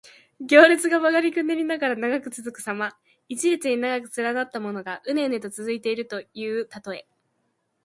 行列が曲がりくねりながら長く続くさま。一列に長く連なったものが、うねうねと続いているというたとえ。